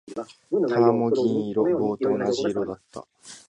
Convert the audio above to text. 棚も銀色。棒と同じ色だった。